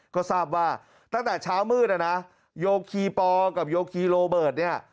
ก็ทราบว่าตั้งแต่เช้ามืดนะนะโยคีปอกับโยคีโรเบิร์ตเนี่ย